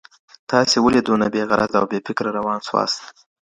تاسي ولي دونه بې غرضه او بې فکره روان سواست؟